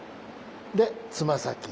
でつま先。